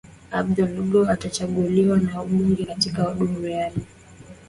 Abdullah Gul atachaguliwa na wabunge katika duru ya